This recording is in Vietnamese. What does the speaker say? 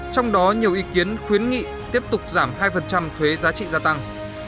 trong đó nhiều ý kiến khuyến nghị tiếp tục giảm hai thuế giá trị gia tăng